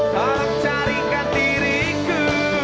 tolong carikan diriku